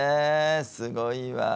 すごいわ。